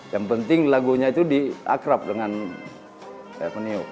yang penting lagunya itu diakrab dengan avenio